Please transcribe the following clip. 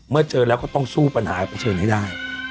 เมื่อเจอแล้วก็ต้องสู้ปัญหาในประเทศให้ได้